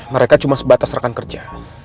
mereka cuma sebatas rekan kerja